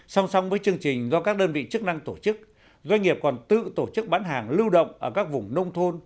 song song với chương trình do các đơn vị chức năng tổ chức doanh nghiệp còn tự tổ chức bán hàng lưu động ở các vùng nông thôn